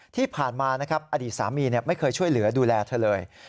ที่ผ่านมานะครับอดีตสามีไม่เคยช่วยเหลือดูแลเธอเลย